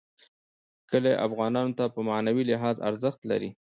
کلي افغانانو ته په معنوي لحاظ ارزښت لري.